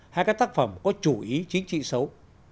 hay các tác phẩm có chủ ý chính trị xấu